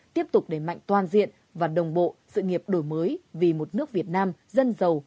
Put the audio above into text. tiếp tục đẩy mạnh toàn diện và đồng bộ sự nghiệp đổi mới vì một nước việt nam dân giàu